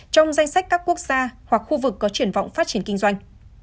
trong danh sách các quốc gia hoặc khu vực có triển vọng phát triển kinh doanh